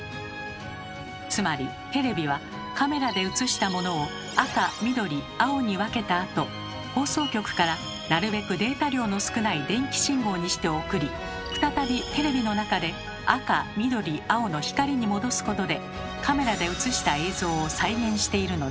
つまりテレビはカメラで写したものを赤緑青に分けたあと放送局からなるべくデータ量の少ない電気信号にして送り再びテレビの中で赤緑青の光に戻すことでカメラで写した映像を再現しているのです。